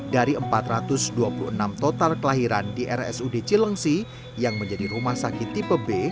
dari empat ratus dua puluh enam total kelahiran di rsud cilengsi yang menjadi rumah sakit tipe b